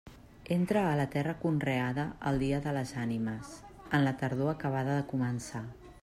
Entra a la terra conreada el dia de les Ànimes, en la tardor acabada de començar.